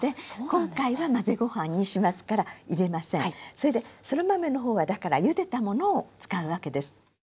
それでそら豆の方はだからゆでたものを使うわけです。